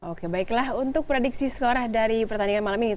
oke baiklah untuk prediksi skor dari pertandingan malam ini